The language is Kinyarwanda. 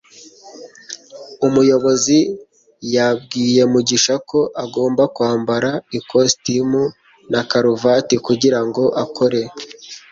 umuyobozi yabwiye mugisha ko agomba kwambara ikositimu na karuvati kugirango akore